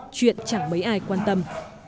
chuyện chẳng mấy ai quan tâm